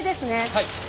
はい。